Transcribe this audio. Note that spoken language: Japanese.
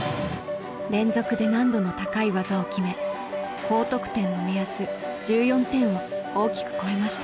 連続で難度の高い技を決め高得点の目安１４点を大きく超えました。